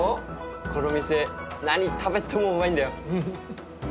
この店何食べてもうまいんだよ。